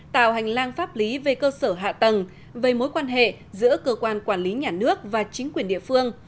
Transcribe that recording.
tạo hành lang pháp lý về cơ sở hạ tầng về mối quan hệ giữa cơ quan quản lý nhà nước và chính quyền địa phương